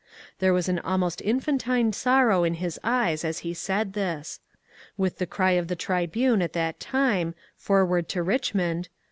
There was an almost infantine sorrow in his eyes as he said this. With the cry of the ^^ Tribune " at that time, " Forward to Richmond